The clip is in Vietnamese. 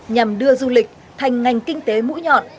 nhằm đưa du lịch thành ngành kinh tế mũi nhọn